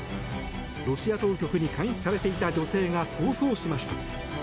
ロシア当局に監視されていた女性が逃走しました。